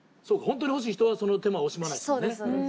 本当に欲しい人はその手間惜しまないですもんね。